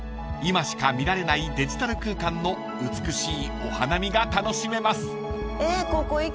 ［今しか見られないデジタル空間の美しいお花見が楽しめます］